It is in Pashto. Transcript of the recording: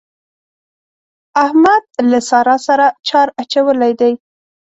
احمد له سارا سره چار اچولی دی.